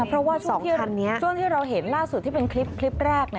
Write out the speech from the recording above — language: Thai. เพราะว่าช่วงที่เราเห็นล่าสุดที่เป็นคลิปแรก